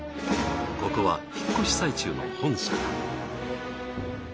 ここは引っ越し最中の本社だ。